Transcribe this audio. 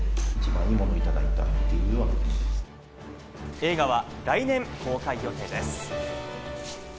映画は来年公開予定です。